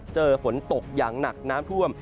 เจอฝนตกอย่างหนักน้ำท่วม